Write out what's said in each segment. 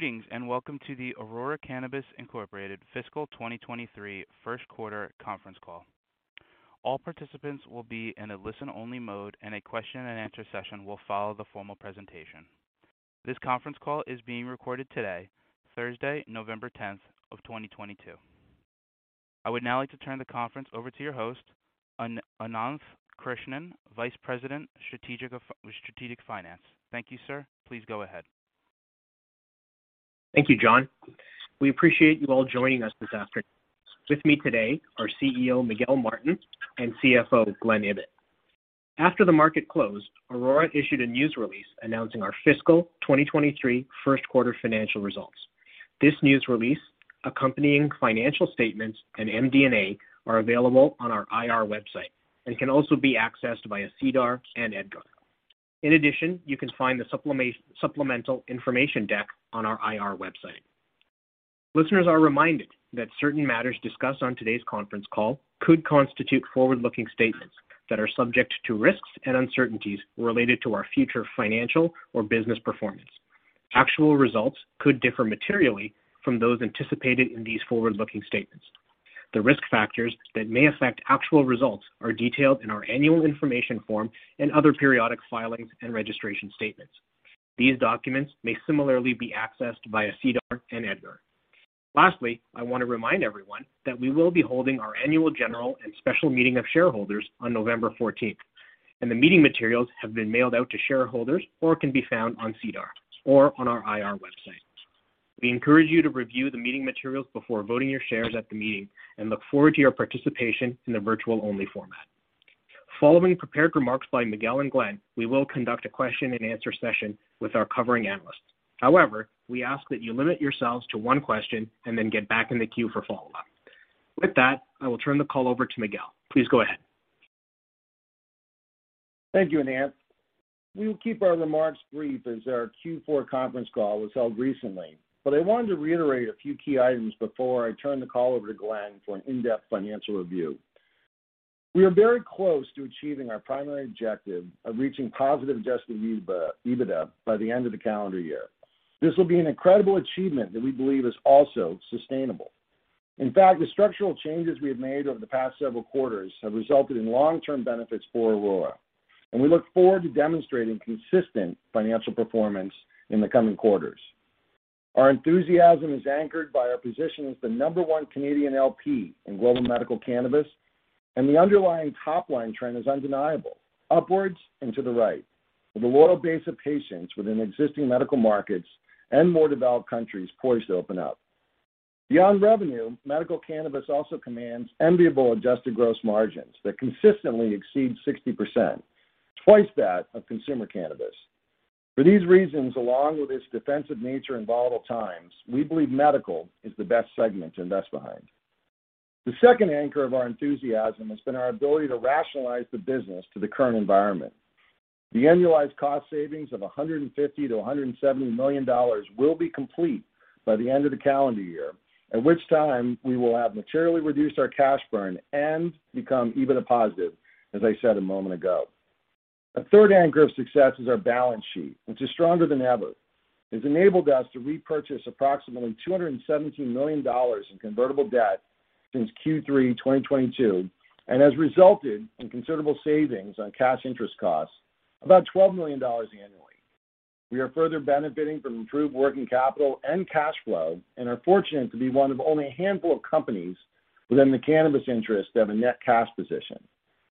Greetings, and welcome to the Aurora Cannabis Inc. Fiscal 2023 first quarter conference call. All participants will be in a listen-only mode, and a question and answer session will follow the formal presentation. This conference call is being recorded today, Thursday, November 10th, 2022. I would now like to turn the conference over to your host, Ananth Krishnan, Vice President, Strategic Finance. Thank you, sir. Please go ahead. Thank you, John. We appreciate you all joining us this afternoon. With me today are CEO, Miguel Martin, and CFO, Glen Ibbott. After the market closed, Aurora issued a news release announcing our fiscal 2023 first quarter financial results. This news release, accompanying financial statements, and MD&A are available on our IR website and can also be accessed via SEDAR and EDGAR. In addition, you can find the supplemental information deck on our IR website. Listeners are reminded that certain matters discussed on today's conference call could constitute forward-looking statements that are subject to risks and uncertainties related to our future financial or business performance. Actual results could differ materially from those anticipated in these forward-looking statements. The risk factors that may affect actual results are detailed in our annual information form and other periodic filings and registration statements. These documents may similarly be accessed via SEDAR and EDGAR. Lastly, I want to remind everyone that we will be holding our annual general and special meeting of shareholders on November 14th, and the meeting materials have been mailed out to shareholders or can be found on SEDAR or on our IR website. We encourage you to review the meeting materials before voting your shares at the meeting and look forward to your participation in the virtual-only format. Following prepared remarks by Miguel and Glen, we will conduct a question and answer session with our covering analysts. However, we ask that you limit yourselves to one question and then get back in the queue for follow-up. With that, I will turn the call over to Miguel. Please go ahead. Thank you, Ananth. We will keep our remarks brief as our Q4 conference call was held recently, but I wanted to reiterate a few key items before I turn the call over to Glen for an in-depth financial review. We are very close to achieving our primary objective of reaching positive Adjusted EBITDA by the end of the calendar year. This will be an incredible achievement that we believe is also sustainable. In fact, the structural changes we have made over the past several quarters have resulted in long-term benefits for Aurora, and we look forward to demonstrating consistent financial performance in the coming quarters. Our enthusiasm is anchored by our position as the number 1 Canadian LP in global medical cannabis, and the underlying top-line trend is undeniable, upwards and to the right, with a loyal base of patients within existing medical markets and more developed countries poised to open up. Beyond revenue, medical cannabis also commands enviable adjusted gross margins that consistently exceed 60%, twice that of consumer cannabis. For these reasons, along with its defensive nature in volatile times, we believe medical is the best segment to invest behind. The second anchor of our enthusiasm has been our ability to rationalize the business to the current environment. The annualized cost savings of 150 million-170 million dollars will be complete by the end of the calendar year, at which time we will have materially reduced our cash burn and become EBITDA positive, as I said a moment ago. A third anchor of success is our balance sheet, which is stronger than ever. It's enabled us to repurchase approximately 217 million dollars in convertible debt since Q3 2022 and has resulted in considerable savings on cash interest costs, about 12 million dollars annually. We are further benefiting from improved working capital and cash flow and are fortunate to be one of only a handful of companies within the cannabis industry of a net cash position.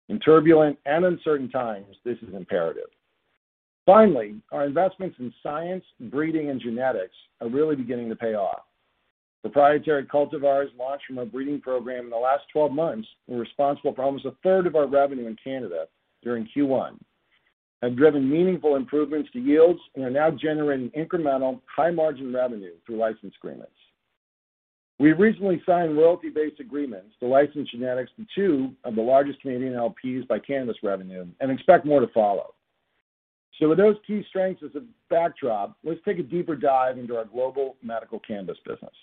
In turbulent and uncertain times, this is imperative. Finally, our investments in science, breeding, and genetics are really beginning to pay off. Proprietary cultivars launched from our breeding program in the last 12 months were responsible for almost 1/3 of our revenue in Canada during Q1, have driven meaningful improvements to yields, and are now generating incremental high-margin revenue through license agreements. We recently signed royalty-based agreements to license genetics to 2 of the largest Canadian LPs by cannabis revenue and expect more to follow. With those key strengths as a backdrop, let's take a deeper dive into our global medical cannabis business.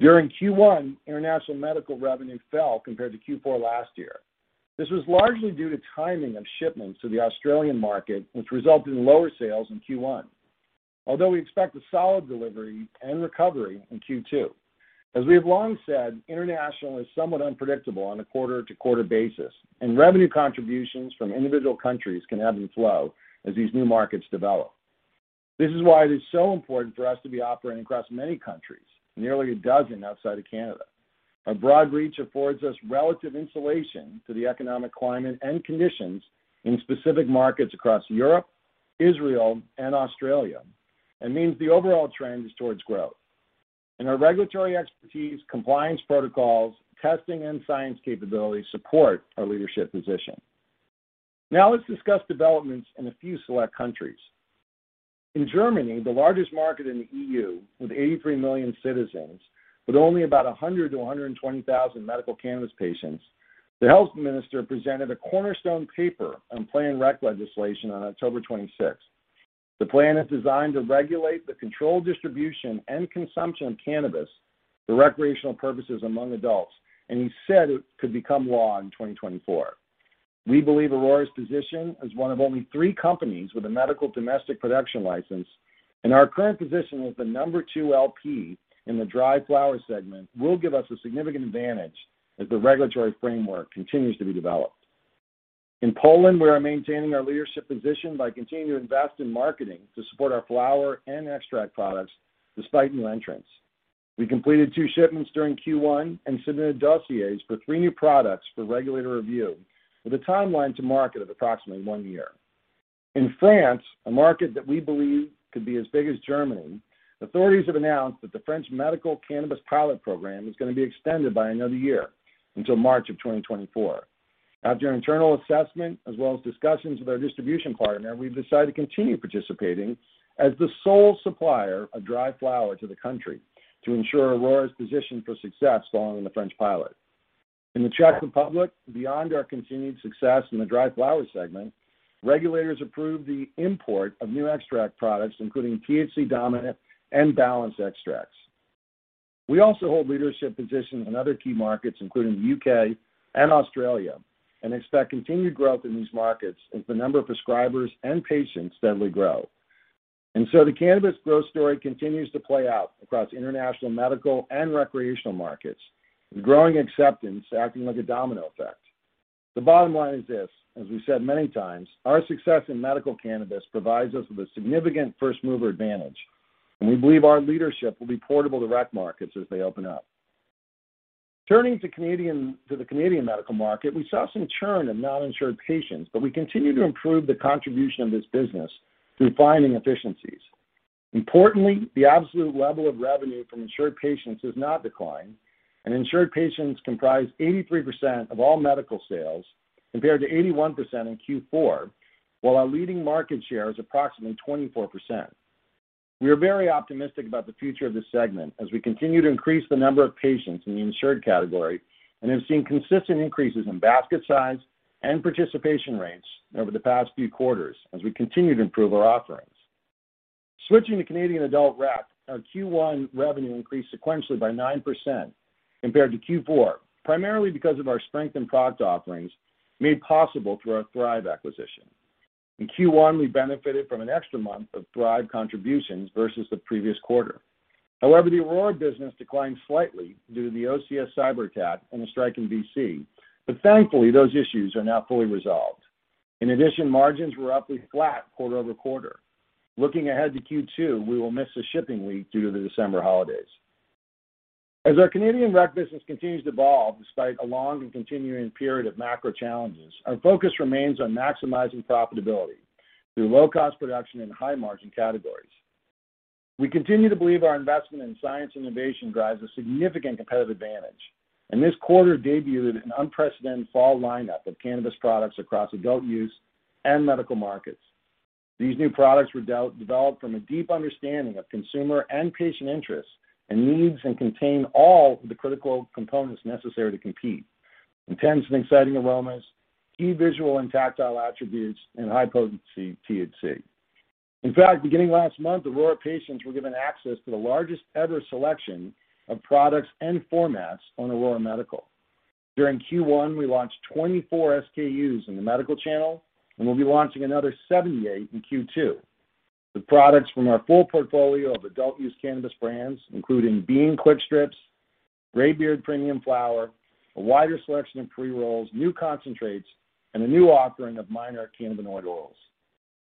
During Q1, international medical revenue fell compared to Q4 last year. This was largely due to timing of shipments to the Australian market, which resulted in lower sales in Q1. Although we expect a solid delivery and recovery in Q2. As we have long said, international is somewhat unpredictable on a quarter-to-quarter basis, and revenue contributions from individual countries can ebb and flow as these new markets develop. This is why it is so important for us to be operating across many countries, nearly a dozen outside of Canada. Our broad reach affords us relative insulation to the economic climate and conditions in specific markets across Europe, Israel, and Australia, and means the overall trend is towards growth. Our regulatory expertise, compliance protocols, testing, and science capabilities support our leadership position. Now let's discuss developments in a few select countries. In Germany, the largest market in the EU, with 83 million citizens, with only about 100-120,000 medical cannabis patients, the health minister presented a cornerstone paper on cannabis legislation on October 26th. The plan is designed to regulate the controlled distribution and consumption of cannabis for recreational purposes among adults, and he said it could become law in 2024. We believe Aurora's position as one of only three companies with a medical domestic production license, and our current position as the number two LP in the dry flower segment, will give us a significant advantage as the regulatory framework continues to be developed. In Poland, we are maintaining our leadership position by continuing to invest in marketing to support our flower and extract products despite new entrants. We completed two shipments during Q1 and submitted dossiers for three new products for regulatory review, with a timeline to market of approximately one year. In France, a market that we believe could be as big as Germany, authorities have announced that the French medical cannabis pilot program is gonna be extended by another year, until March of 2024. After an internal assessment, as well as discussions with our distribution partner, we've decided to continue participating as the sole supplier of dry flower to the country to ensure Aurora's position for success following the French pilot. In the Czech Republic, beyond our continued success in the dry flower segment, regulators approved the import of new extract products, including THC-dominant and balanced extracts. We also hold leadership positions in other key markets, including the U.K. and Australia, and expect continued growth in these markets as the number of prescribers and patients steadily grow. The cannabis growth story continues to play out across international medical and recreational markets, with growing acceptance acting like a domino effect. The bottom line is this. As we said many times, our success in medical cannabis provides us with a significant first-mover advantage, and we believe our leadership will be portable to rec markets as they open up. Turning to the Canadian medical market, we saw some churn of non-insured patients, but we continue to improve the contribution of this business through finding efficiencies. Importantly, the absolute level of revenue from insured patients has not declined, and insured patients comprise 83% of all medical sales, compared to 81% in Q4, while our leading market share is approximately 24%. We are very optimistic about the future of this segment as we continue to increase the number of patients in the insured category and have seen consistent increases in basket size and participation rates over the past few quarters as we continue to improve our offerings. Switching to Canadian adult rec, our Q1 revenue increased sequentially by 9% compared to Q4, primarily because of our strength in product offerings made possible through our Thrive acquisition. In Q1, we benefited from an extra month of Thrive contributions versus the previous quarter. However, the Aurora business declined slightly due to the OCS cyber attack and the strike in BC. Thankfully, those issues are now fully resolved. In addition, margins were roughly flat quarter-over-quarter. Looking ahead to Q2, we will miss a shipping week due to the December holidays. As our Canadian rec business continues to evolve despite a long and continuing period of macro challenges, our focus remains on maximizing profitability through low-cost production and high-margin categories. We continue to believe our investment in science innovation drives a significant competitive advantage, and this quarter debuted an unprecedented fall lineup of cannabis products across adult-use and medical markets. These new products were developed from a deep understanding of consumer and patient interests and needs, and contain all the critical components necessary to compete. Intense and exciting aromas, key visual and tactile attributes, and high-potency THC. In fact, beginning last month, Aurora patients were given access to the largest-ever selection of products and formats on Aurora Medical. During Q1, we launched 24 SKUs in the medical channel, and we'll be launching another 78 in Q2, with products from our full portfolio of adult-use cannabis brands, including Being Quickstrips, Greybeard Premium Flower, a wider selection of pre-rolls, new concentrates, and a new offering of minor cannabinoid oils.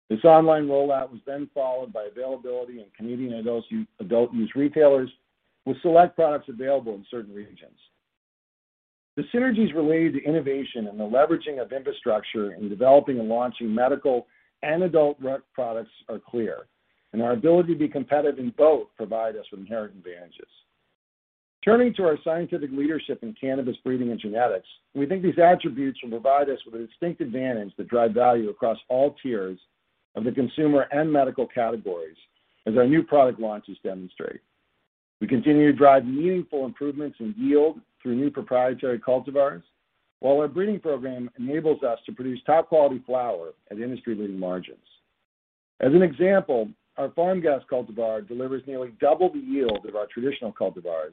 This online rollout was then followed by availability in Canadian adult-use retailers, with select products available in certain regions. The synergies related to innovation and the leveraging of infrastructure in developing and launching medical and adult rec products are clear, and our ability to be competitive in both provide us with inherent advantages. Turning to our scientific leadership in cannabis breeding and genetics, we think these attributes will provide us with a distinct advantage that drive value across all tiers of the consumer and medical categories, as our new product launches demonstrate. We continue to drive meaningful improvements in yield through new proprietary cultivars, while our breeding program enables us to produce top-quality flower at industry-leading margins. As an example, our Farm Gas cultivar delivers nearly double the yield of our traditional cultivars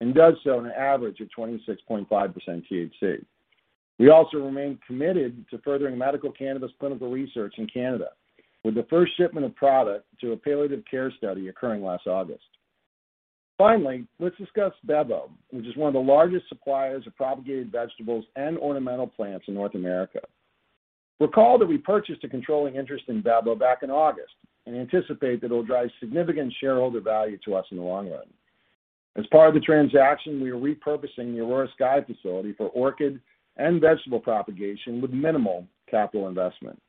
and does so on an average of 26.5% THC. We also remain committed to furthering medical cannabis clinical research in Canada, with the first shipment of product to a palliative care study occurring last August. Finally, let's discuss Bevo, which is one of the largest suppliers of propagated vegetables and ornamental plants in North America. Recall that we purchased a controlling interest in Bevo back in August and anticipate that it'll drive significant shareholder value to us in the long run. As part of the transaction, we are repurposing the Aurora Sky facility for orchid and vegetable propagation with minimal capital investment.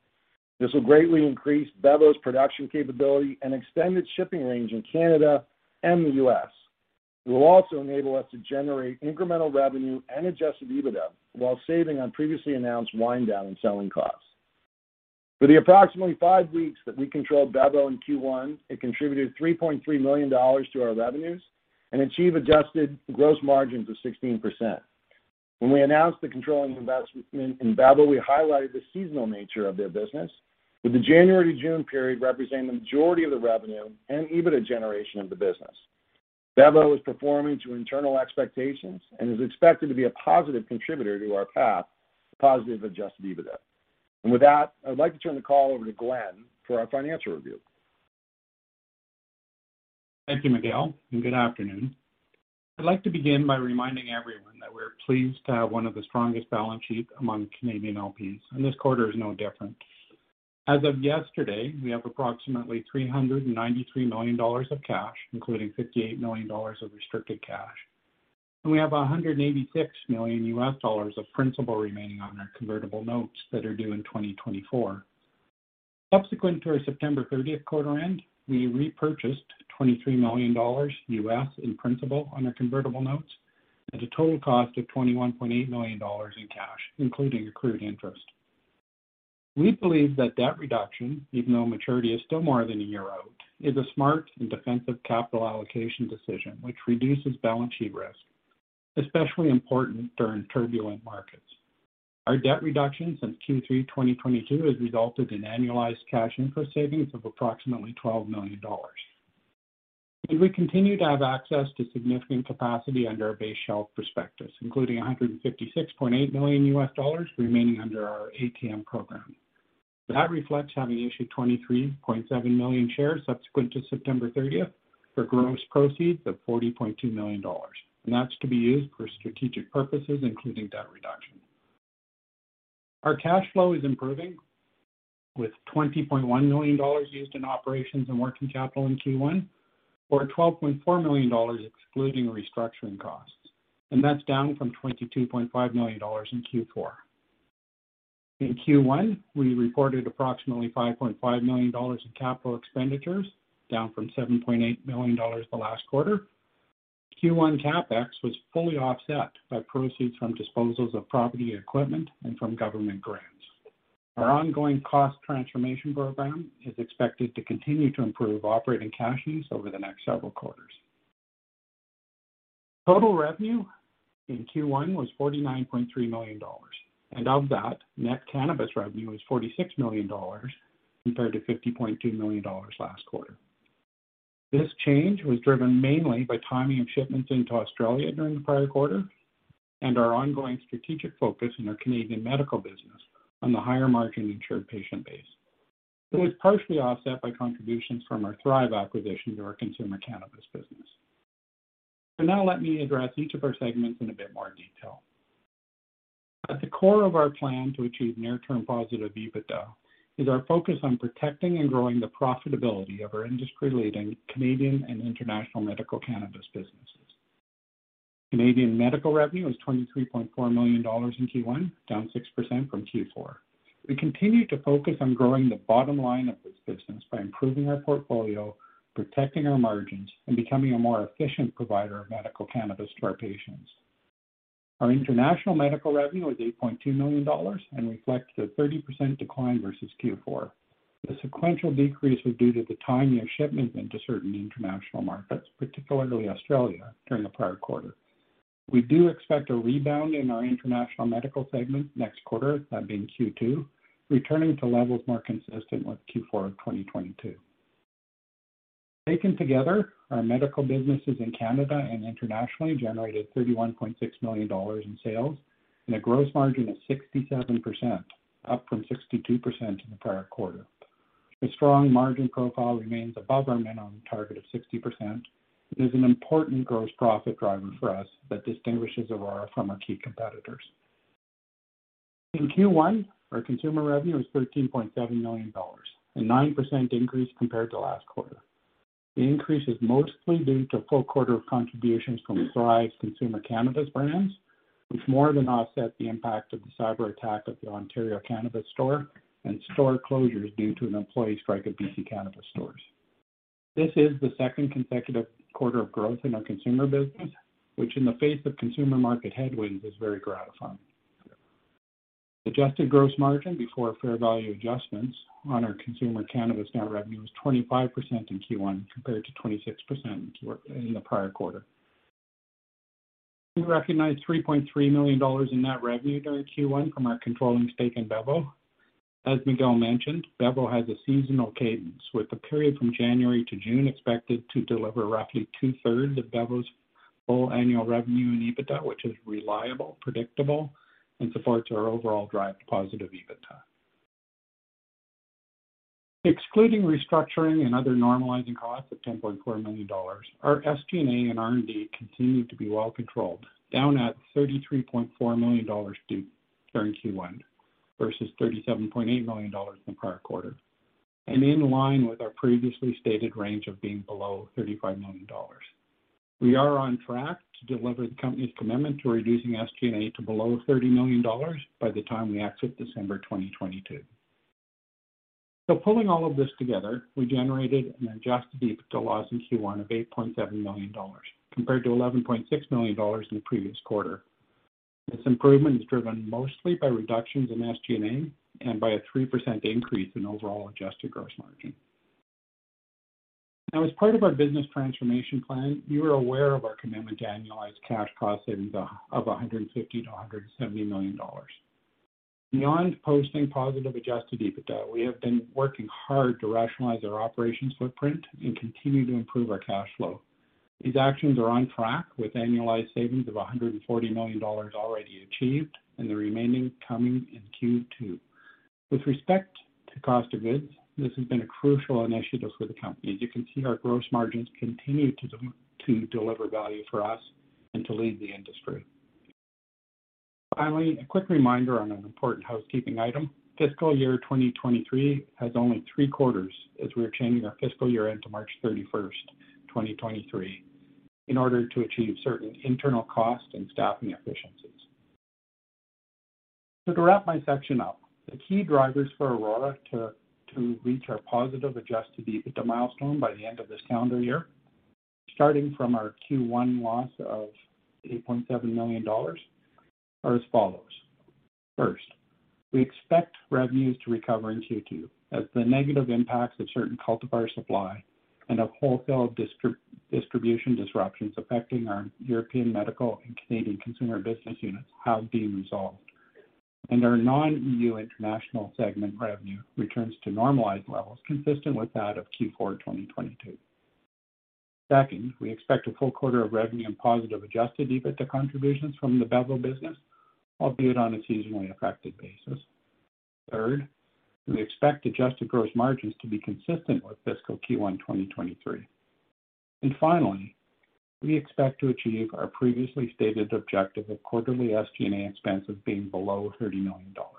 This will greatly increase Bevo's production capability and extend its shipping range in Canada and the U.S. It will also enable us to generate incremental revenue and Adjusted EBITDA while saving on previously announced wind-down and selling costs. For the approximately five weeks that we controlled Bevo in Q1, it contributed 3.3 million dollars to our revenues and achieved adjusted gross margins of 16%. When we announced the controlling investment in Bevo, we highlighted the seasonal nature of their business, with the January to June period representing the majority of the revenue and EBITDA generation of the business. Bevo is performing to internal expectations and is expected to be a positive contributor to our path to positive Adjusted EBITDA. With that, I'd like to turn the call over to Glen for our financial review. Thank you, Miguel, and good afternoon. I'd like to begin by reminding everyone that we're pleased to have one of the strongest balance sheets among Canadian LPs, and this quarter is no different. As of yesterday, we have approximately 393 million dollars of cash, including 58 million dollars of restricted cash. We have $186 million of principal remaining on our convertible notes that are due in 2024. Subsequent to our September 30 quarter end, we repurchased $23 million in principal on our convertible notes at a total cost of 21.8 million dollars in cash, including accrued interest. We believe that debt reduction, even though maturity is still more than a year out, is a smart and defensive capital allocation decision, which reduces balance sheet risk, especially important during turbulent markets. Our debt reduction since Q3 2022 has resulted in annualized cash interest savings of approximately 12 million dollars. We continue to have access to significant capacity under our base shelf prospectus, including $156.8 million remaining under our ATM program. That reflects having issued 23.7 million shares subsequent to September 30 for gross proceeds of 40.2 million dollars, and that's to be used for strategic purposes, including debt reduction. Our cash flow is improving with 20.1 million dollars used in operations and working capital in Q1, or 12.4 million dollars excluding restructuring costs, and that's down from 22.5 million dollars in Q4. In Q1, we reported approximately 5.5 million dollars in capital expenditures, down from 7.8 million dollars the last quarter. Q1 CapEx was fully offset by proceeds from disposals of property and equipment and from government grants. Our ongoing cost transformation program is expected to continue to improve operating cash use over the next several quarters. Total revenue in Q1 was 49.3 million dollars, and of that, net cannabis revenue was 46 million dollars compared to 50.2 million dollars last quarter. This change was driven mainly by timing of shipments into Australia during the prior quarter and our ongoing strategic focus in our Canadian medical business on the higher-margin insured patient base. It was partially offset by contributions from our Thrive acquisition to our consumer cannabis business. Now let me address each of our segments in a bit more detail. At the core of our plan to achieve near-term positive EBITDA is our focus on protecting and growing the profitability of our industry-leading Canadian and international medical cannabis businesses. Canadian medical revenue was 23.4 million dollars in Q1, down 6% from Q4. We continue to focus on growing the bottom line of this business by improving our portfolio, protecting our margins, and becoming a more efficient provider of medical cannabis to our patients. Our international medical revenue was 8.2 million dollars and reflects a 30% decline versus Q4. The sequential decrease was due to the timing of shipments into certain international markets, particularly Australia, during the prior quarter. We do expect a rebound in our international medical segment next quarter, that being Q2, returning to levels more consistent with Q4 of 2022. Taken together, our medical businesses in Canada and internationally generated 31.6 million dollars in sales and a gross margin of 67%, up from 62% in the prior quarter. The strong margin profile remains above our minimum target of 60% and is an important gross profit driver for us that distinguishes Aurora from our key competitors. In Q1, our consumer revenue was 13.7 million dollars, a 9% increase compared to last quarter. The increase is mostly due to full quarter of contributions from Thrive's consumer cannabis brands, which more than offset the impact of the cyberattack at the Ontario Cannabis Store and store closures due to an employee strike at BC Cannabis Stores. This is the second consecutive quarter of growth in our consumer business, which in the face of consumer market headwinds, is very gratifying. Adjusted gross margin before fair value adjustments on our consumer cannabis net revenue was 25% in Q1 compared to 26% in the prior quarter. We recognized 3.3 million dollars in net revenue during Q1 from our controlling stake in Bevo. As Miguel mentioned, Bevo has a seasonal cadence, with the period from January to June expected to deliver roughly 2/3 of Bevo's full annual revenue in EBITDA, which is reliable, predictable, and supports our overall drive to positive EBITDA. Excluding restructuring and other normalizing costs of 10.4 million dollars, our SG&A and R&D continued to be well controlled, down to 33.4 million dollars during Q1 versus 37.8 million dollars in the prior quarter, and in line with our previously stated range of being below 35 million dollars. We are on track to deliver the company's commitment to reducing SG&A to below 30 million dollars by the time we exit December 2022. Pulling all of this together, we generated an Adjusted EBITDA loss in Q1 of 8.7 million dollars, compared to 11.6 million dollars in the previous quarter. This improvement is driven mostly by reductions in SG&A and by a 3% increase in overall adjusted gross margin. Now, as part of our business transformation plan, you are aware of our commitment to annualized cash cost savings of a hundred and fifty to a hundred and seventy million dollars. Beyond posting positive Adjusted EBITDA, we have been working hard to rationalize our operations footprint and continue to improve our cash flow. These actions are on track with annualized savings of 140 million dollars already achieved and the remaining coming in Q2. With respect to cost of goods, this has been a crucial initiative for the company. As you can see, our gross margins continue to deliver value for us and to lead the industry. Finally, a quick reminder on an important housekeeping item. Fiscal year 2023 has only three quarters as we are changing our fiscal year-end to March 31, 2023, in order to achieve certain internal cost and staffing efficiencies. To wrap my section up, the key drivers for Aurora to reach our positive Adjusted EBITDA milestone by the end of this calendar year, starting from our Q1 loss of 8.7 million dollars, are as follows. First, we expect revenues to recover in Q2 as the negative impacts of certain cultivator supply and of wholesale distribution disruptions affecting our European medical and Canadian consumer business units have been resolved. Our non-EU international segment revenue returns to normalized levels consistent with that of Q4 2022. Second, we expect a full quarter of revenue and positive Adjusted EBITDA contributions from the Bevo business, albeit on a seasonally affected basis. Third, we expect adjusted gross margins to be consistent with fiscal Q1 2023. Finally, we expect to achieve our previously stated objective of quarterly SG&A expenses being below 30 million dollars.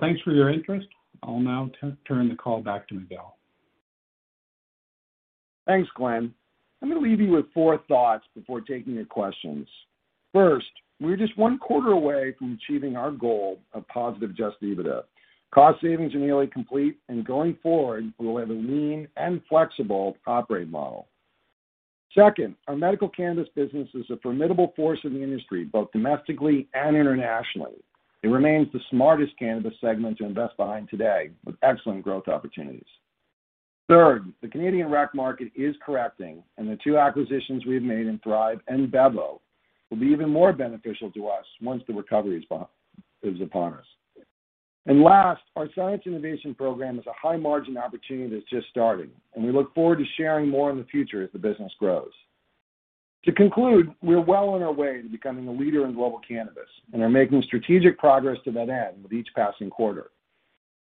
Thanks for your interest. I'll now turn the call back to Miguel. Thanks, Glen. I'm gonna leave you with four thoughts before taking your questions. First, we're just one quarter away from achieving our goal of positive Adjusted EBITDA. Cost savings are nearly complete, and going forward, we'll have a lean and flexible operating model. Second, our medical cannabis business is a formidable force in the industry, both domestically and internationally. It remains the smartest cannabis segment to invest behind today with excellent growth opportunities. Third, the Canadian rec market is correcting, and the two acquisitions we have made in Thrive and Bevo will be even more beneficial to us once the recovery is upon us. Last, our science innovation program is a high-margin opportunity that's just starting, and we look forward to sharing more in the future as the business grows. To conclude, we're well on our way to becoming a leader in global cannabis and are making strategic progress to that end with each passing quarter.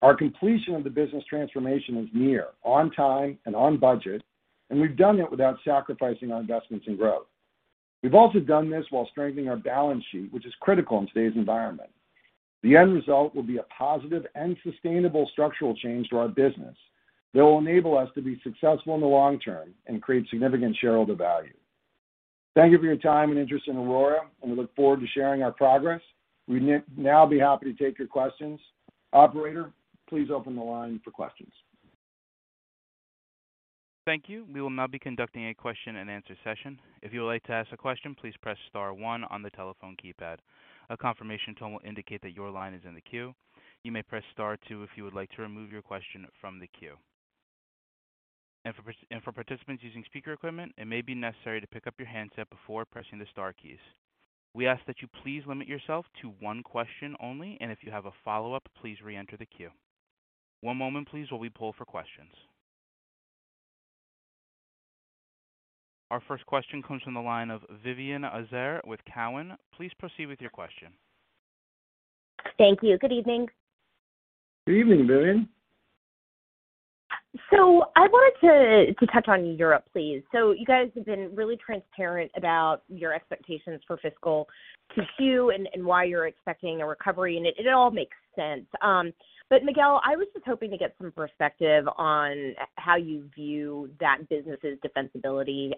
Our completion of the business transformation is near, on time and on budget, and we've done it without sacrificing our investments and growth. We've also done this while strengthening our balance sheet, which is critical in today's environment. The end result will be a positive and sustainable structural change to our business that will enable us to be successful in the long term and create significant shareholder value. Thank you for your time and interest in Aurora, and we look forward to sharing our progress. We'd now be happy to take your questions. Operator, please open the line for questions. Thank you. We will now be conducting a question-and-answer session. If you would like to ask a question, please press star one on the telephone keypad. A confirmation tone will indicate that your line is in the queue. You may press star two if you would like to remove your question from the queue. For participants using speaker equipment, it may be necessary to pick up your handset before pressing the star keys. We ask that you please limit yourself to one question only, and if you have a follow-up, please reenter the queue. One moment, please, while we poll for questions. Our first question comes from the line of Vivien Azer with Cowen. Please proceed with your question. Thank you. Good evening. Good evening, Vivien. I wanted to touch on Europe, please. You guys have been really transparent about your expectations for fiscal Q2 and why you're expecting a recovery, and it all makes sense. But Miguel, I was just hoping to get some perspective on how you view that business' defensibility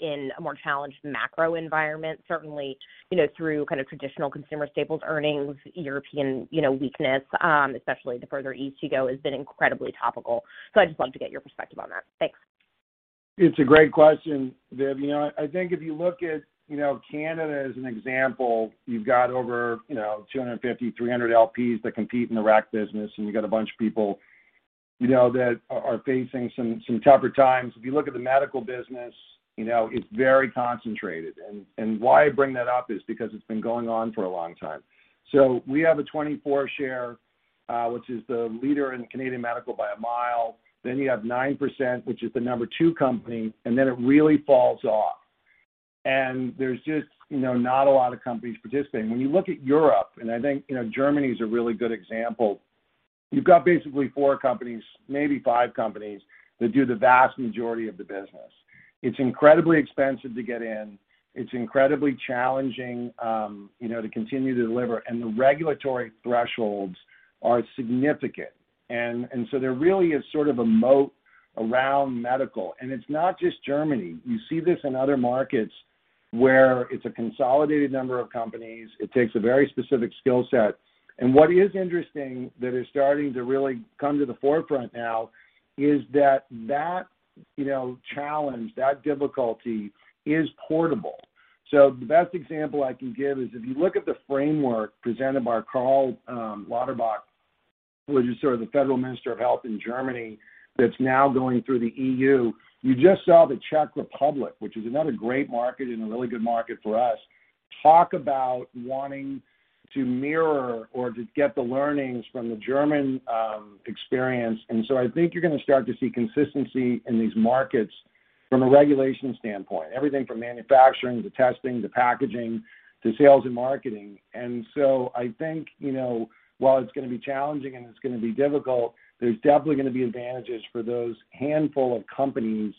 in a more challenged macro environment. Certainly, you know, through kind of traditional consumer staples earnings, European, you know, weakness, especially the further east you go, has been incredibly topical. I'd just love to get your perspective on that. Thanks. It's a great question, Viv. You know, I think if you look at, you know, Canada as an example, you've got over 250-300 LPs that compete in the rec business, and you've got a bunch of people, you know, that are facing some tougher times. If you look at the medical business, you know, it's very concentrated. Why I bring that up is because it's been going on for a long time. We have a 24% share, which is the leader in Canadian medical by a mile. Then you have 9%, which is the number two company, and then it really falls off. There's just, you know, not a lot of companies participating. When you look at Europe, and I think, you know, Germany is a really good example, you've got basically four companies, maybe five companies, that do the vast majority of the business. It's incredibly expensive to get in, it's incredibly challenging, you know, to continue to deliver, and the regulatory thresholds are significant. There really is sort of a moat around medical. It's not just Germany. You see this in other markets where it's a consolidated number of companies. It takes a very specific skill set. What is interesting that is starting to really come to the forefront now is that, you know, challenge, that difficulty is portable. The best example I can give is if you look at the framework presented by Karl Lauterbach, which is sort of the Federal Minister of Health in Germany that's now going through the EU. You just saw the Czech Republic, which is another great market and a really good market for us, talk about wanting to mirror or to get the learnings from the German experience. I think you're gonna start to see consistency in these markets from a regulation standpoint, everything from manufacturing, to testing, to packaging, to sales and marketing. I think, you know, while it's gonna be challenging and it's gonna be difficult, there's definitely gonna be advantages for those handful of companies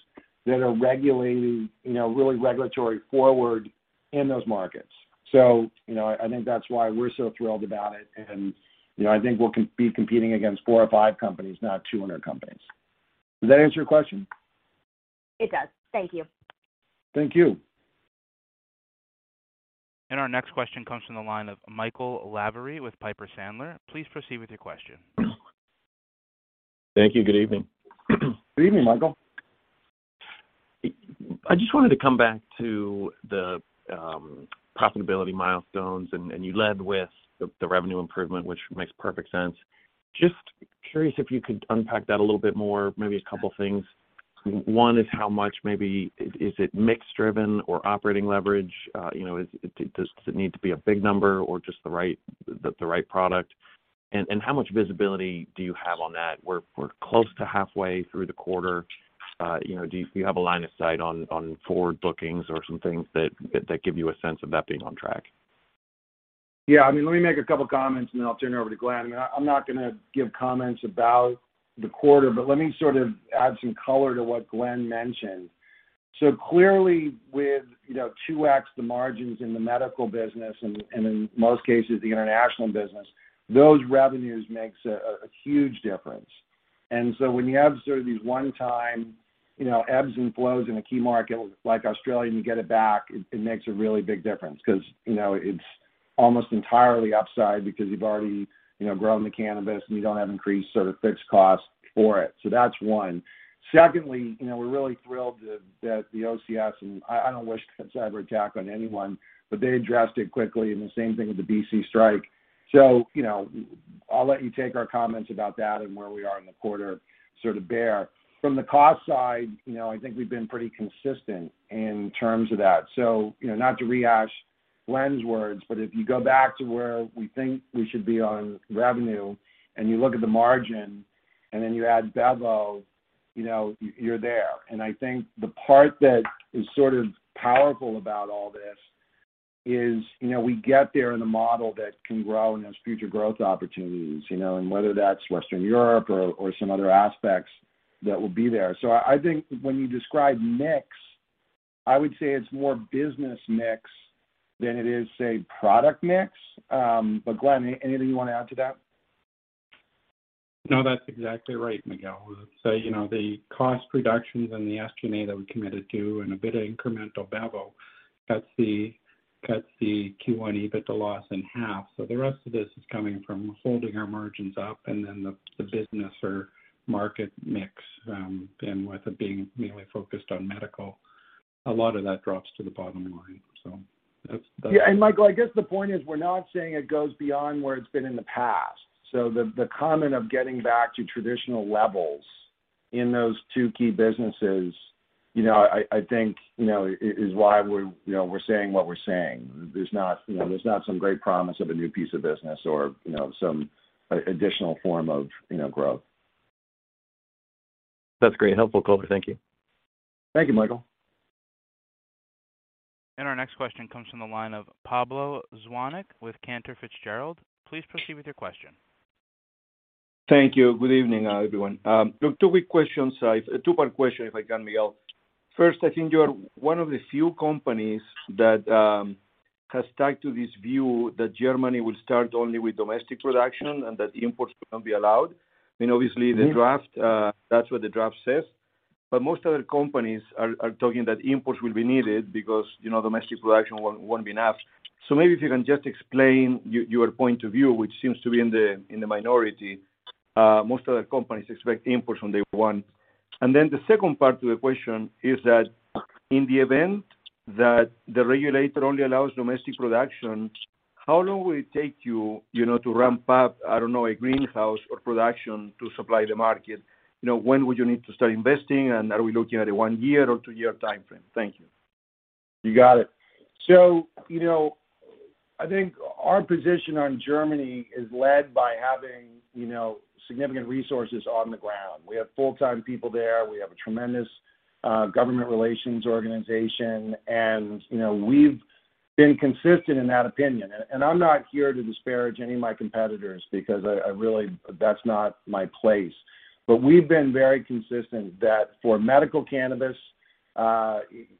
that are regulating, you know, really regulatory forward in those markets. You know, I think that's why we're so thrilled about it. You know, I think we'll be competing against 4 or 5 companies, not 200 companies. Does that answer your question? It does. Thank you. Thank you. Our next question comes from the line of Michael Lavery with Piper Sandler. Please proceed with your question. Thank you. Good evening. Good evening, Michael. I just wanted to come back to the profitability milestones, and you led with the revenue improvement, which makes perfect sense. Just curious if you could unpack that a little bit more, maybe a couple things. One is how much maybe is it mix driven or operating leverage? You know, does it need to be a big number or just the right product? And how much visibility do you have on that? We're close to halfway through the quarter. You know, do you have a line of sight on forward bookings or some things that give you a sense of that being on track? Yeah. I mean, let me make a couple comments, and then I'll turn it over to Glen. I mean, I'm not gonna give comments about the quarter, but let me sort of add some color to what Glen mentioned. Clearly with, you know, 2x the margins in the medical business and in most cases the international business, those revenues makes a huge difference. When you have sort of these one-time, you know, ebbs and flows in a key market like Australia, and you get it back, it makes a really big difference because, you know, it's almost entirely upside because you've already, you know, grown the cannabis and you don't have increased sort of fixed costs for it. That's one. Secondly, you know, we're really thrilled that the OCS, and I don't wish a cyberattack on anyone, but they addressed it quickly and the same thing with the BC strike. You know, I'll let you take our comments about that and where we are in the quarter sort of bear. From the cost side, you know, I think we've been pretty consistent in terms of that. You know, not to rehash Glen's words, but if you go back to where we think we should be on revenue and you look at the margin, and then you add Bevo, you know, you're there. I think the part that is sort of powerful about all this is, you know, we get there in a model that can grow and has future growth opportunities, you know, and whether that's Western Europe or some other aspects that will be there. So I think when you describe mix, I would say it's more business mix than it is, say, product mix. But Glen, anything you want to add to that? No, that's exactly right, Miguel. You know, the cost reductions and the SG&A that we committed to and a bit of incremental Bevo cuts the Q1 EBITDA loss in half. The rest of this is coming from holding our margins up and then the business or market mix, and with it being mainly focused on medical, a lot of that drops to the bottom line. That's. Yeah. Michael, I guess the point is we're not saying it goes beyond where it's been in the past. The comment of getting back to traditional levels in those two key businesses, you know, I think, you know, is why we're, you know, we're saying what we're saying. There's not, you know, some great promise of a new piece of business or, you know, some additional form of, you know, growth. That's great. Helpful color. Thank you. Thank you, Michael. Our next question comes from the line of Pablo Zuanic with Cantor Fitzgerald. Please proceed with your question. Thank you. Good evening, everyone. Two quick questions. A two-part question if I can, Miguel. First, I think you're one of the few companies that has stuck to this view that Germany will start only with domestic production and that imports won't be allowed. I mean, obviously. Mm-hmm. The draft, that's what the draft says. Most other companies are talking that imports will be needed because, you know, domestic production won't be enough. Maybe if you can just explain your point of view, which seems to be in the minority. Most other companies expect imports from day one. Then the second part to the question is that in the event that the regulator only allows domestic production, how long will it take you know, to ramp up, I don't know, a greenhouse or production to supply the market? You know, when would you need to start investing, and are we looking at a one-year or two-year timeframe? Thank you. You got it. You know, I think our position on Germany is led by having, you know, significant resources on the ground. We have full-time people there. We have a tremendous government relations organization. You know, we've been consistent in that opinion. I'm not here to disparage any of my competitors because I really, that's not my place. We've been very consistent that for medical cannabis,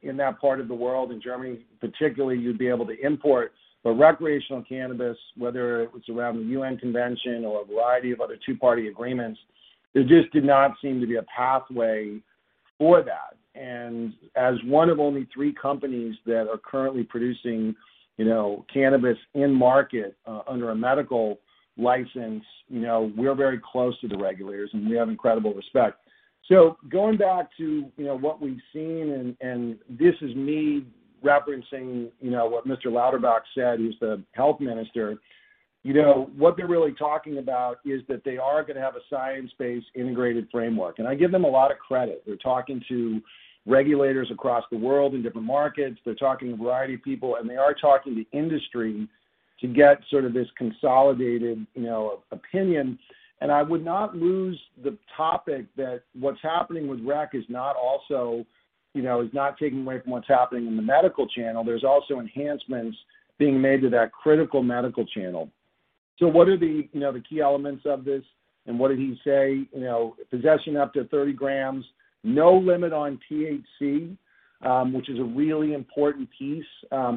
in that part of the world, in Germany particularly, you'd be able to import. Recreational cannabis, whether it was around the UN convention or a variety of other two-party agreements, there just did not seem to be a pathway for that. As one of only three companies that are currently producing, you know, cannabis in market under a medical license, you know, we're very close to the regulators, and we have incredible respect. Going back to, you know, what we've seen, and this is me referencing, you know, what Mr. Lauterbach said, who's the health minister. You know, what they're really talking about is that they are gonna have a science-based integrated framework. I give them a lot of credit. They're talking to regulators across the world in different markets. They're talking to a variety of people, and they are talking to industry to get sort of this consolidated, you know, opinion. I would not lose the topic that what's happening with rec is not also, you know, is not taking away from what's happening in the medical channel. There's also enhancements being made to that critical medical channel. What are the, you know, the key elements of this and what did he say? You know, possession up to 30 grams, no limit on THC, which is a really important piece.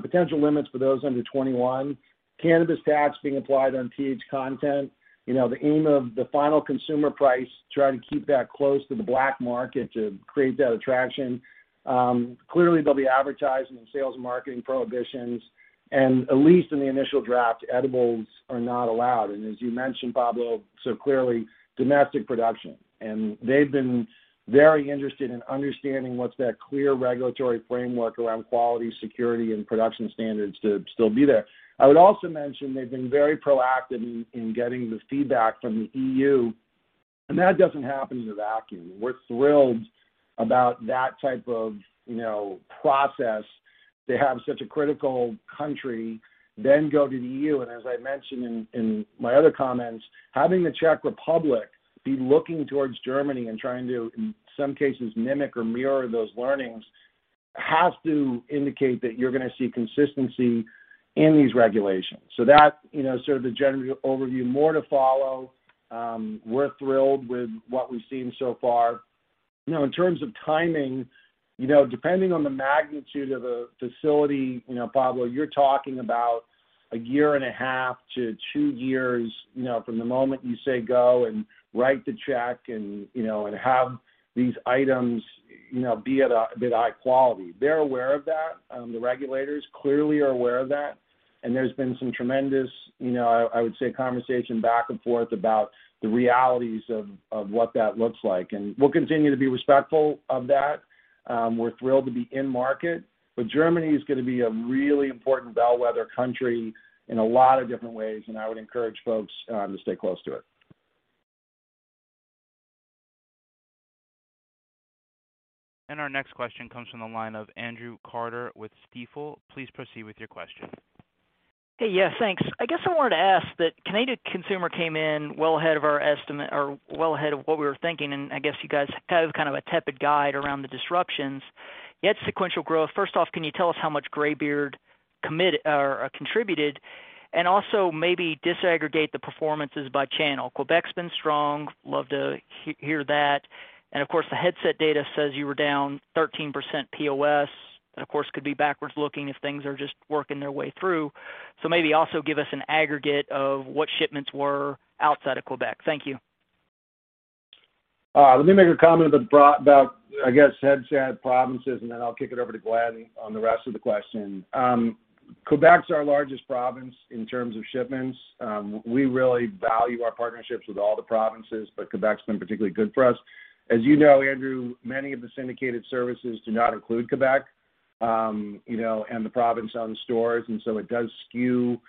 Potential limits for those under 21. Cannabis tax being applied on THC content. You know, the aim of the final consumer price, try to keep that close to the black market to create that attraction. Clearly, there'll be advertising and sales marketing prohibitions. At least in the initial draft, edibles are not allowed. As you mentioned, Pablo, so clearly domestic production, and they've been very interested in understanding what's that clear regulatory framework around quality, security, and production standards to still be there. I would also mention they've been very proactive in getting the feedback from the EU, and that doesn't happen in a vacuum. We're thrilled about that type of, you know, process. They have such a critical country, then go to the EU. As I mentioned in my other comments, having the Czech Republic be looking towards Germany and trying to, in some cases, mimic or mirror those learnings, has to indicate that you're gonna see consistency in these regulations. That's, you know, sort of the general overview. More to follow. We're thrilled with what we've seen so far. You know, in terms of timing, you know, depending on the magnitude of a facility, you know, Pablo, you're talking about 1.5years - 2 years, you know, from the moment you say go and write the check and, you know, and have these items, you know, be at high quality. They're aware of that. The regulators clearly are aware of that, and there's been some tremendous, you know, I would say conversation back and forth about the realities of what that looks like. We'll continue to be respectful of that. We're thrilled to be in market, but Germany is gonna be a really important bellwether country in a lot of different ways, and I would encourage folks to stay close to it. Our next question comes from the line of Andrew Carter with Stifel. Please proceed with your question. Hey, yes, thanks. I guess I wanted to ask that Canadian consumer came in well ahead of our estimate or well ahead of what we were thinking, and I guess you guys have kind of a tepid guide around the disruptions, yet sequential growth. First off, can you tell us how much Greybeard contributed? Also maybe disaggregate the performances by channel. Quebec's been strong. Love to hear that. Of course, the Headset data says you were down 13% POS. That, of course, could be backwards looking if things are just working their way through. Maybe also give us an aggregate of what shipments were outside of Quebec. Thank you. Let me make a comment about, I guess, Headset provinces, and then I'll kick it over to Glen on the rest of the question. Quebec's our largest province in terms of shipments. We really value our partnerships with all the provinces, but Quebec's been particularly good for us. As you know, Andrew, many of the syndicated services do not include Quebec, you know, and the province owns stores, and so it does skew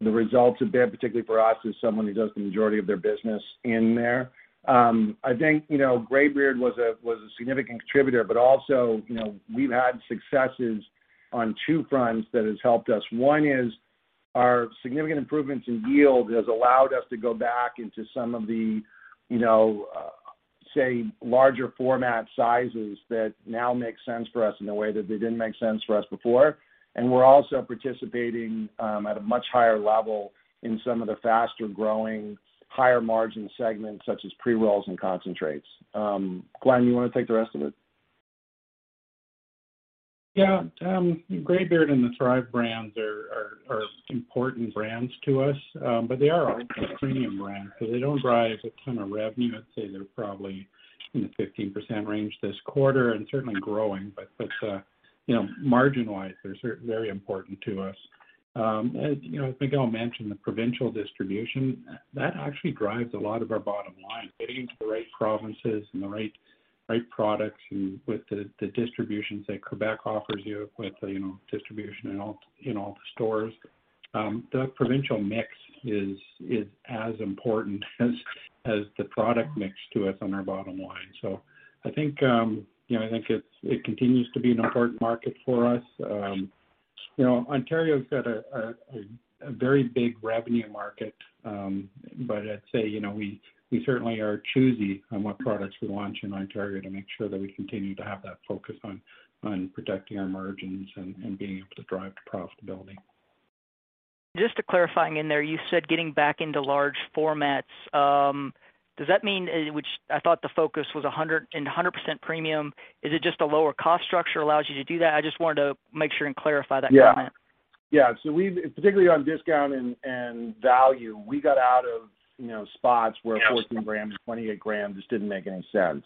the results a bit, particularly for us as someone who does the majority of their business in there. I think, you know, Greybeard was a significant contributor, but also, you know, we've had successes on two fronts that has helped us. One is our significant improvements in yield has allowed us to go back into some of the, you know, say, larger format sizes that now make sense for us in a way that they didn't make sense for us before. We're also participating at a much higher level in some of the faster-growing, higher-margin segments such as pre-rolls and concentrates. Glen, you wanna take the rest of it? Yeah. Greybeard and the Thrive brands are important brands to us, but they are our premium brands, so they don't drive a ton of revenue. I'd say they're probably in the 15% range this quarter and certainly growing. You know, margin-wise, they're very important to us. As you know, Miguel mentioned, the provincial distribution that actually drives a lot of our bottom line. Getting into the right provinces and the right products and with the distributions that Quebec offers you with, you know, distribution in all the stores. The provincial mix is as important as the product mix to us on our bottom line. I think, you know, I think it's, it continues to be an important market for us. You know, Ontario's got a very big revenue market. I'd say, you know, we certainly are choosy on what products we launch in Ontario to make sure that we continue to have that focus on protecting our margins and being able to drive to profitability. Just to clarify in there, you said getting back into large formats. Does that mean, which I thought the focus was 100% premium, is it just a lower cost structure allows you to do that? I just wanted to make sure and clarify that comment. We've particularly on discount and value, we got out of, you know, spots where 14 grams, 28 grams just didn't make any sense.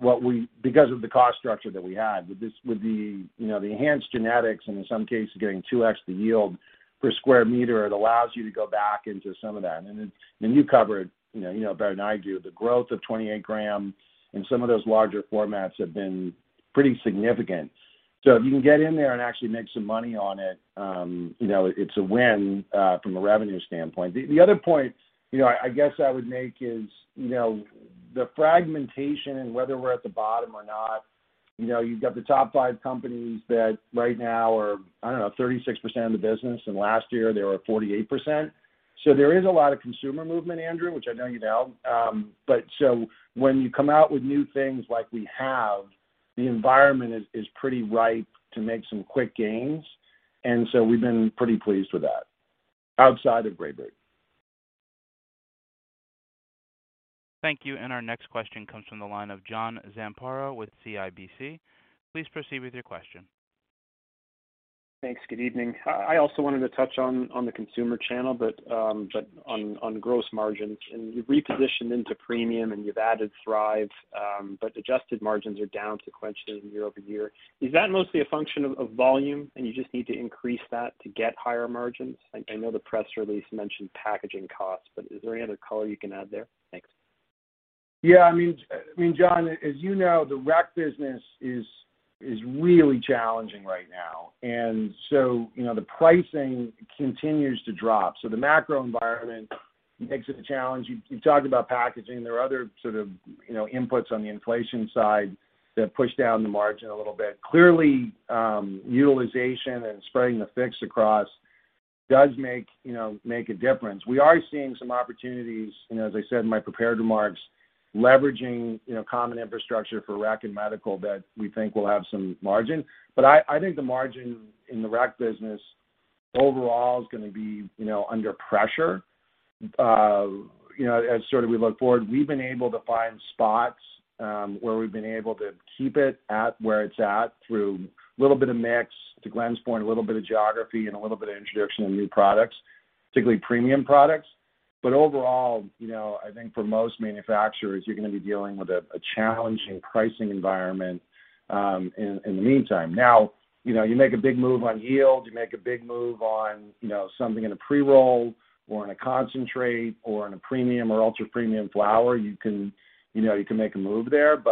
What we, because of the cost structure that we had with this, you know, the enhanced genetics, and in some cases, getting 2x the yield per square meter, it allows you to go back into some of that. Then you cover it, you know, you know it better than I do. The growth of 28-gram and some of those larger formats have been pretty significant. If you can get in there and actually make some money on it, you know, it's a win from a revenue standpoint. The other point, you know, I guess I would make is, you know, the fragmentation and whether we're at the bottom or not, you know, you've got the top five companies that right now are, I don't know, 36% of the business, and last year they were 48%. There is a lot of consumer movement, Andrew, which I know you know. When you come out with new things like we have, the environment is pretty ripe to make some quick gains. We've been pretty pleased with that, outside of Greybeard. Thank you. Our next question comes from the line of John Zamparo with CIBC. Please proceed with your question. Thanks. Good evening. I also wanted to touch on the consumer channel, but on gross margins. You've repositioned into premium and you've added Thrive's, but adjusted margins are down sequentially year-over-year. Is that mostly a function of volume, and you just need to increase that to get higher margins? I know the press release mentioned packaging costs, but is there any other color you can add there? Thanks. Yeah, I mean, John, as you know, the rec business is really challenging right now. You know, the pricing continues to drop. The macro environment makes it a challenge. You talked about packaging. There are other sort of, you know, inputs on the inflation side that push down the margin a little bit. Clearly, utilization and spreading the fixed across does make a difference. We are seeing some opportunities, you know, as I said in my prepared remarks, leveraging, you know, common infrastructure for rec and medical that we think will have some margin. I think the margin in the rec business overall is gonna be, you know, under pressure. You know, as sort of we look forward, we've been able to find spots, where we've been able to keep it at where it's at through a little bit of mix, to Glen's point, a little bit of geography and a little bit of introduction of new products, particularly premium products. Overall, you know, I think for most manufacturers, you're gonna be dealing with a challenging pricing environment, in the meantime. Now, you know, you make a big move on yield, you make a big move on, you know, something in a pre-roll or in a concentrate or in a premium or ultra premium flower, you can, you know, you can make a move there.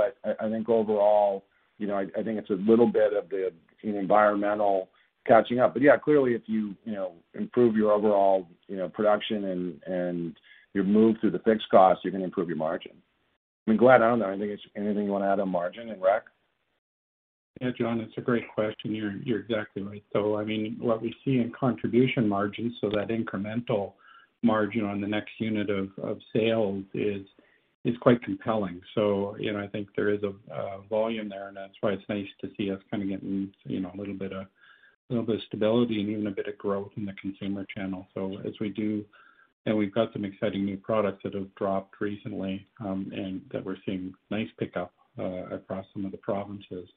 I think overall, you know, I think it's a little bit of the environmental catching up. Yeah, clearly, if you know, improve your overall, you know, production and you move through the fixed cost, you're gonna improve your margin. I mean, Glen, I don't know, anything you want to add on margin in rec? Yeah, John, it's a great question. You're exactly right, though. I mean, what we see in contribution margins, so that incremental margin on the next unit of sales is quite compelling. You know, I think there is a volume there, and that's why it's nice to see us kind of getting you know a little bit of stability and even a bit of growth in the consumer channel. As we do, and we've got some exciting new products that have dropped recently, and that we're seeing nice pickup across some of the provinces.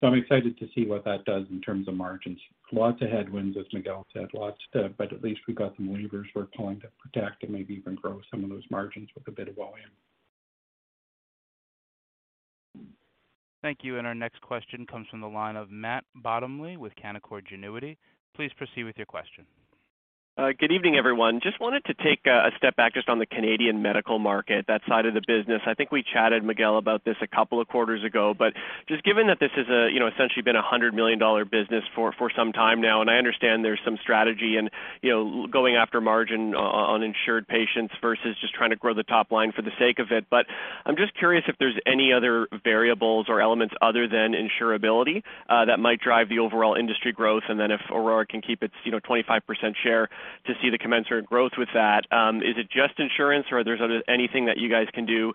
I'm excited to see what that does in terms of margins. Lots of headwinds, as Miguel said. But at least we've got some levers we're pulling to protect and maybe even grow some of those margins with a bit of volume. Thank you. Our next question comes from the line of Matt Bottomley with Canaccord Genuity. Please proceed with your question. Good evening, everyone. Just wanted to take a step back just on the Canadian medical market, that side of the business. I think we chatted, Miguel, about this a couple of quarters ago. Just given that this is, you know, essentially been a 100 million dollar business for some time now, and I understand there's some strategy and, you know, going after margin on insured patients versus just trying to grow the top line for the sake of it. I'm just curious if there's any other variables or elements other than insurability that might drive the overall industry growth, and then if Aurora can keep its, you know, 25% share to see the commensurate growth with that. Is it just insurance, or there's anything that you guys can do,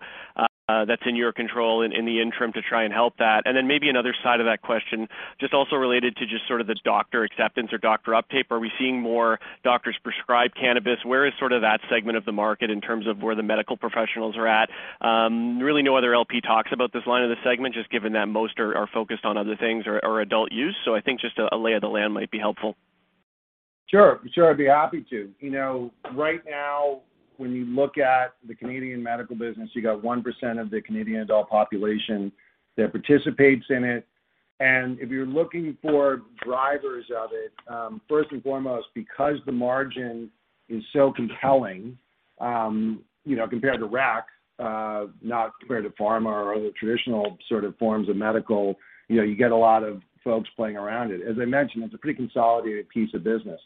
that's in your control in the interim to try and help that? Then maybe another side of that question, just also related to just sort of the doctor acceptance or doctor uptake. Are we seeing more doctors prescribe cannabis? Where is sort of that segment of the market in terms of where the medical professionals are at? Really no other LP talks about this line of the segment, just given that most are focused on other things or adult-use. I think just a lay of the land might be helpful. Sure. Sure, I'd be happy to. You know, right now, when you look at the Canadian medical business, you got 1% of the Canadian adult population that participates in it. If you're looking for drivers of it, first and foremost, because the margin is so compelling, you know, compared to rec, not compared to pharma or other traditional sort of forms of medical, you know, you get a lot of folks playing around it. As I mentioned, it's a pretty consolidated piece of business.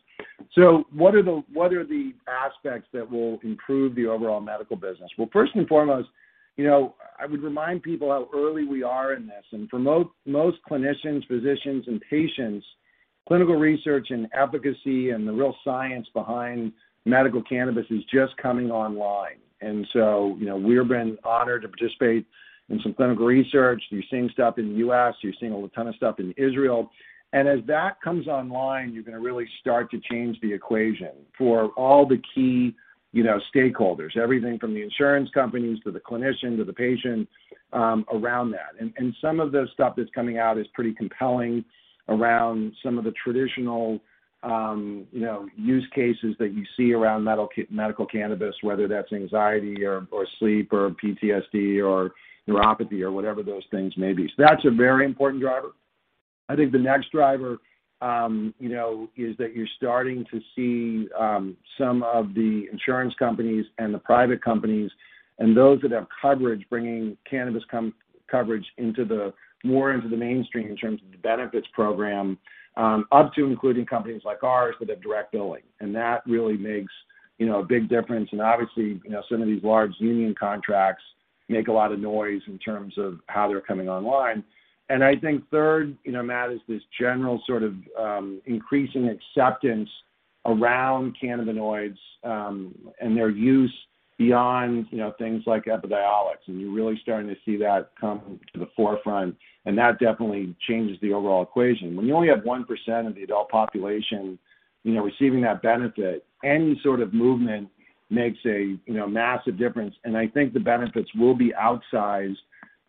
What are the aspects that will improve the overall medical business? Well, first and foremost, you know, I would remind people how early we are in this. For most clinicians, physicians and patients, clinical research and efficacy and the real science behind medical cannabis is just coming online. You know, we're being honored to participate in some clinical research. You're seeing stuff in the U.S., you're seeing a ton of stuff in Israel. As that comes online, you're gonna really start to change the equation for all the key, you know, stakeholders, everything from the insurance companies to the clinicians, to the patient around that. Some of the stuff that's coming out is pretty compelling around some of the traditional, you know, use cases that you see around medical cannabis, whether that's anxiety or sleep, or PTSD, or neuropathy or whatever those things may be. That's a very important driver. I think the next driver, you know, is that you're starting to see, some of the insurance companies and the private companies and those that have coverage bringing cannabis coverage into more into the mainstream in terms of the benefits program, up to including companies like ours that have direct billing. That really makes, you know, a big difference. Obviously, you know, some of these large union contracts make a lot of noise in terms of how they're coming online. I think third, you know, Matt, is this general sort of, increasing acceptance around cannabinoids, and their use beyond, you know, things like Epidiolex. You're really starting to see that come to the forefront, and that definitely changes the overall equation. When you only have 1% of the adult population, you know, receiving that benefit, any sort of movement makes a you know massive difference. I think the benefits will be outsized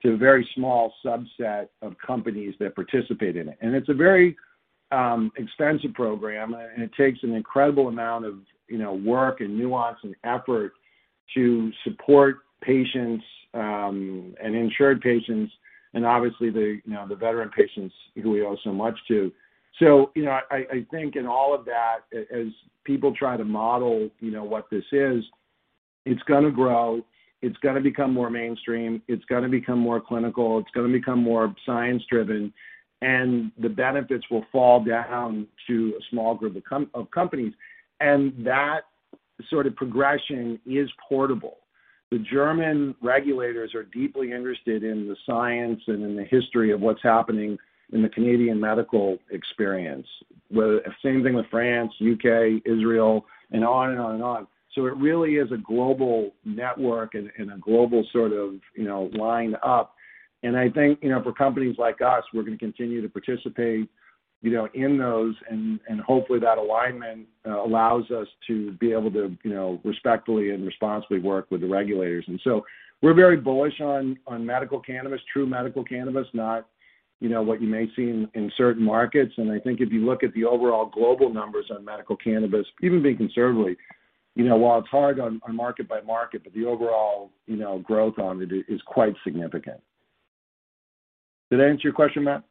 to a very small subset of companies that participate in it. It's a very expensive program, and it takes an incredible amount of, you know, work and nuance and effort to support patients, and insured patients and obviously the veteran patients who we owe so much to. You know, I think in all of that, as people try to model, you know, what this is, it's gonna grow, it's gonna become more mainstream, it's gonna become more clinical, it's gonna become more science-driven, and the benefits will fall down to a small group of companies. That sort of progression is portable. The German regulators are deeply interested in the science and in the history of what's happening in the Canadian medical experience, same thing with France, U.K., Israel, and on and on and on. It really is a global network and a global sort of, you know, line up. I think, you know, for companies like us, we're gonna continue to participate, you know, in those, and hopefully that alignment allows us to be able to, you know, respectfully and responsibly work with the regulators. We're very bullish on medical cannabis, true medical cannabis, not, you know, what you may see in certain markets. I think if you look at the overall global numbers on medical cannabis, even being conservative, you know, while it's hard on market by market, but the overall, you know, growth on it is quite significant. Did I answer your question, Matt?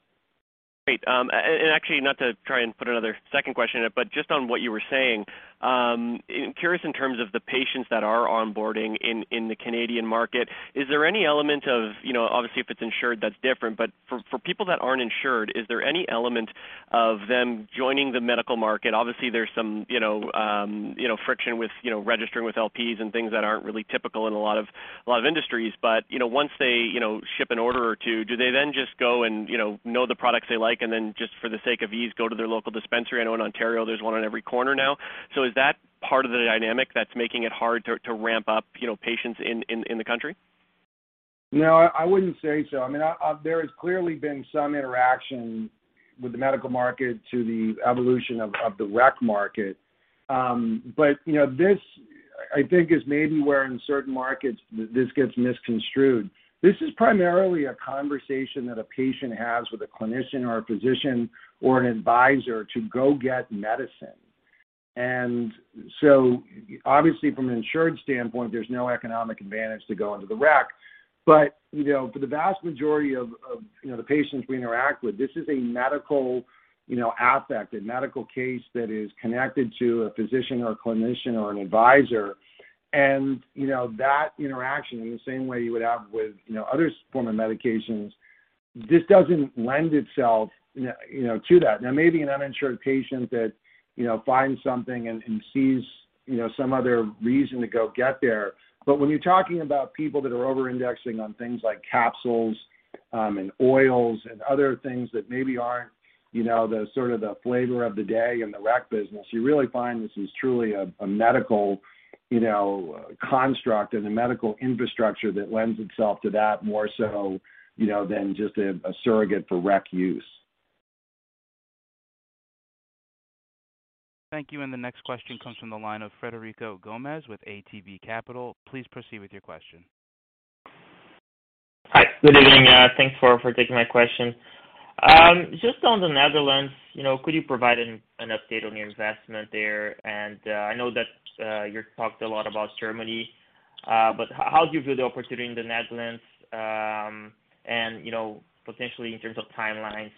Great. Actually not to try and put another second question, but just on what you were saying, I'm curious in terms of the patients that are onboarding in the Canadian market. Is there any element of, you know, obviously, if it's insured, that's different. For people that aren't insured, is there any element of them joining the medical market? Obviously, there's some, you know, friction with, you know, registering with LPs and things that aren't really typical in a lot of industries. Once they, you know, ship an order or two, do they then just go and, you know the products they like, and then just for the sake of ease, go to their local dispensary? I know in Ontario, there's one on every corner now. Is that part of the dynamic that's making it hard to ramp up, you know, patients in the country? No, I wouldn't say so. I mean, there has clearly been some interaction with the medical market to the evolution of the rec market. You know, this I think is maybe where in certain markets this gets misconstrued. This is primarily a conversation that a patient has with a clinician or a physician or an advisor to go get medicine. Obviously from an insurance standpoint, there's no economic advantage to go into the rec. You know, for the vast majority of you know, the patients we interact with, this is a medical you know, aspect, a medical case that is connected to a physician or a clinician or an advisor. You know, that interaction, in the same way you would have with you know, other form of medications, this doesn't lend itself you know, to that. Now, maybe an uninsured patient that, you know, finds something and sees, you know, some other reason to go get there. But when you're talking about people that are over indexing on things like capsules, and oils and other things that maybe aren't, you know, the sort of the flavor of the day in the rec business, you really find this is truly a medical, you know, construct and a medical infrastructure that lends itself to that more so, you know, than just a surrogate for rec use. Thank you. The next question comes from the line of Frederico Gomes with ATB Capital Markets. Please proceed with your question. Hi. Good evening. Thanks for taking my question. Just on the Netherlands, you know, could you provide an update on your investment there? I know that you talked a lot about Germany, but how do you view the opportunity in the Netherlands, and, you know, potentially in terms of timelines,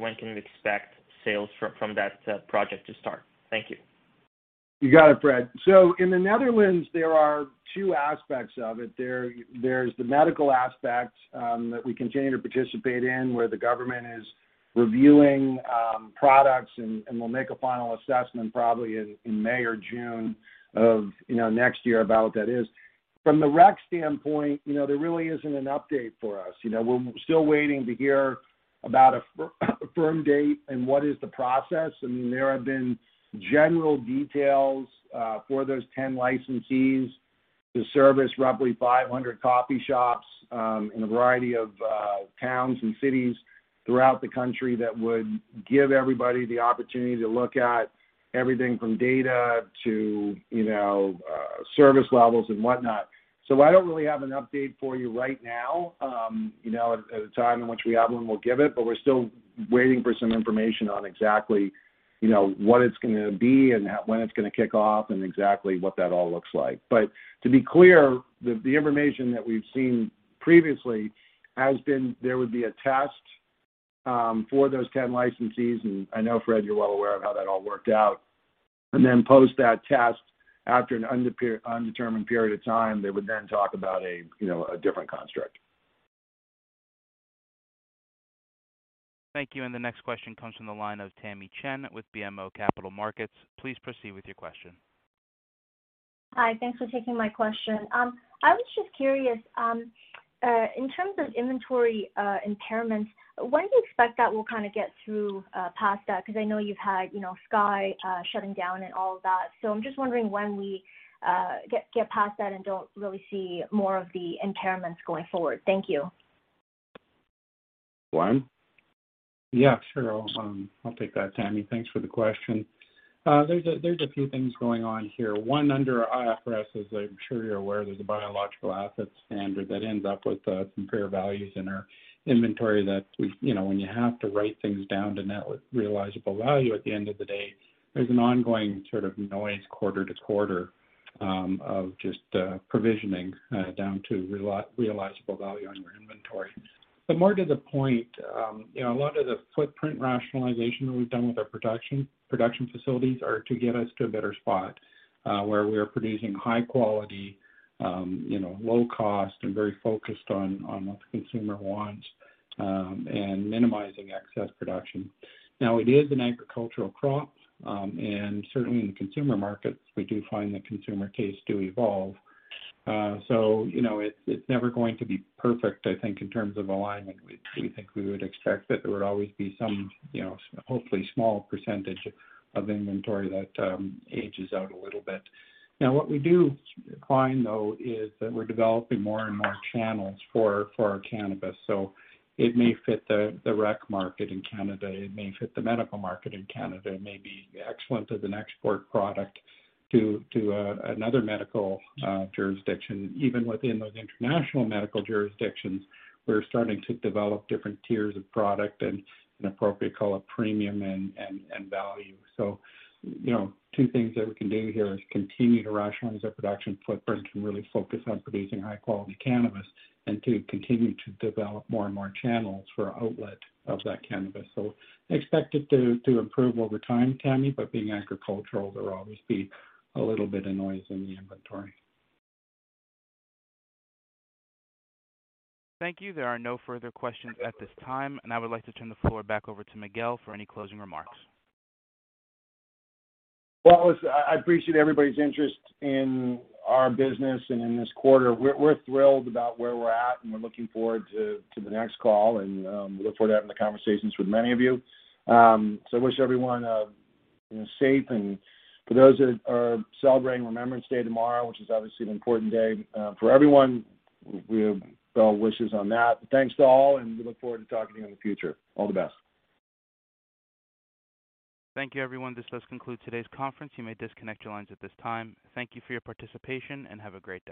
when can we expect sales from that project to start? Thank you. You got it, Fred. In the Netherlands, there are two aspects of it. There, there's the medical aspect that we continue to participate in, where the government is reviewing products and will make a final assessment probably in May or June of next year about what that is. From the rec standpoint, you know, there really isn't an update for us. You know, we're still waiting to hear about a firm date and what is the process. I mean, there have been general details for those 10 licensees to service roughly 500 coffee shops in a variety of towns and cities throughout the country that would give everybody the opportunity to look at everything from data to service levels and whatnot. I don't really have an update for you right now. You know, at a time in which we have one, we'll give it. We're still waiting for some information on exactly, you know, what it's gonna be and when it's gonna kick off and exactly what that all looks like. To be clear, the information that we've seen previously has been there would be a test for those 10 licensees, and I know, Fred, you're well aware of how that all worked out. Post that test after an undetermined period of time, they would then talk about a, you know, a different construct. Thank you. The next question comes from the line of Tamy Chen with BMO Capital Markets. Please proceed with your question. Hi. Thanks for taking my question. I was just curious, in terms of inventory impairments, when do you expect that we'll kind of get through past that? Because I know you've had, you know, Sky shutting down and all of that. I'm just wondering when we get past that and don't really see more of the impairments going forward. Thank you. Glen? Yeah, sure. I'll take that, Tamy. Thanks for the question. There's a few things going on here. One, under IFRS, as I'm sure you're aware, there's a biological asset standard that ends up with some fair values in our inventory that we, you know, when you have to write things down to net realizable value at the end of the day, there's an ongoing sort of noise quarter to quarter of just provisioning down to realizable value on your inventory. But more to the point, you know, a lot of the footprint rationalization that we've done with our production facilities are to get us to a better spot where we are producing high quality, you know, low cost and very focused on what the consumer wants and minimizing excess production. Now it is an agricultural crop, and certainly in consumer markets, we do find the consumer tastes do evolve. So, you know, it's never going to be perfect, I think, in terms of alignment. We think we would expect that there would always be some, you know, hopefully small percentage of inventory that ages out a little bit. Now, what we do find, though, is that we're developing more and more channels for our cannabis. So it may fit the rec market in Canada, it may fit the medical market in Canada, it may be excellent as an export product to another medical jurisdiction. Even within those international medical jurisdictions, we're starting to develop different tiers of product and an appropriate call, a premium and value. You know, two things that we can do here is continue to rationalize our production footprint and really focus on producing high quality cannabis, and to continue to develop more and more channels for outlet of that cannabis. Expect it to improve over time, Tamy, but being agricultural, there will always be a little bit of noise in the inventory. Thank you. There are no further questions at this time, and I would like to turn the floor back over to Miguel for any closing remarks. Well, listen, I appreciate everybody's interest in our business and in this quarter. We're thrilled about where we're at, and we're looking forward to the next call and we look forward to having the conversations with many of you. Wish everyone a safe and for those that are celebrating Remembrance Day tomorrow, which is obviously an important day, for everyone, we have well wishes on that. Thanks to all, and we look forward to talking to you in the future. All the best. Thank you, everyone. This does conclude today's conference. You may disconnect your lines at this time. Thank you for your participation, and have a great day.